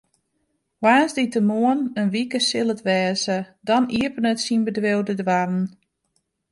Woansdeitemoarn in wike sil it wêze, dan iepenet syn bedriuw de doarren.